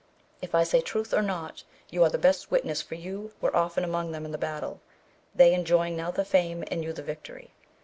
If I say truth or not you are the best witness, for you were often among them in the battle, they enjoying now the fame and you the victory.